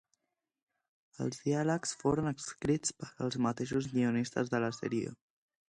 Els diàlegs foren escrits pels mateixos guionistes de la sèrie.